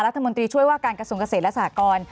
รัฐมนตรีช่วยว่าการกระทรวงเกษตรและสหกร